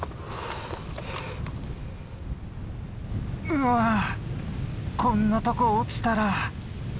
うわこんなとこ落ちたら。